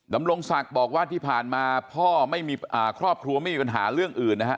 ดำรงศักดิ์บอกว่าที่ผ่านมาพ่อไม่มีครอบครัวไม่มีปัญหาเรื่องอื่นนะฮะ